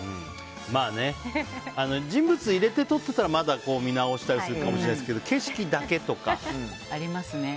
まあね、人物入れて撮っていたらまだ見直したりするかもしれないですけどありますね。